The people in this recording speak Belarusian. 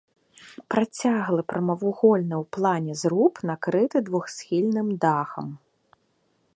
Працяглы прамавугольны ў плане зруб, накрыты двухсхільным дахам.